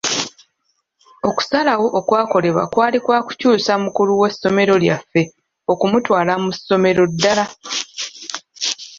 Okusalawo okwakolebwa kwali kwa kukyusa mukulu w'essomero lyaffe okumutwala mu ssomero ddala.